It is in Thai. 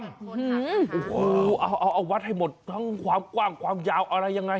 อ่าวัดให้หมดทั้งภาพงวงความยาวอะไรอย่างไร